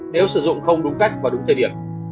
nếu sử dụng không đúng cách và đúng thời điểm